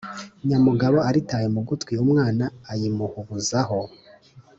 nyamugabo aritaye mu gutwi umwana ayimuhubuzaho, a